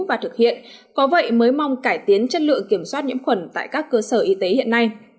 và thực hiện có vậy mới mong cải tiến chất lượng kiểm soát nhiễm khuẩn tại các cơ sở y tế hiện nay